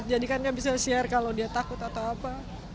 jadikannya bisa share kalau dia takut atau apa